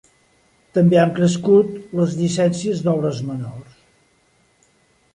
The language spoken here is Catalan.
També han crescut les llicències d’obres menors.